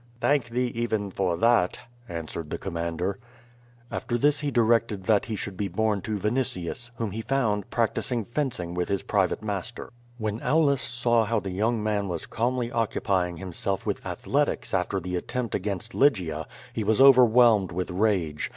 '' "Thank thee even for that," answered the commander. After this he directed that he should be borne to Vinitius, whom he found i>raet icing fencing with his private master. QUO VADIS. 43 Wlien Aulus saw how the young man was calml)' occupying himself witli athletics after the attempt against Lygia, he was overwhelmed by rage.